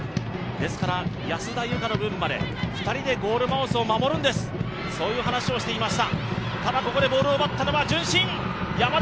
ですから安田優花の分まで２人でゴールマウスを守るんです、そういう話をしていました。